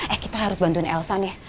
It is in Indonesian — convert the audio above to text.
eh kita harus bantuin elsa ya